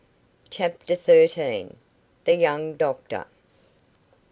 CHAPTER THIRTEEN. THE YOUNG DOCTOR.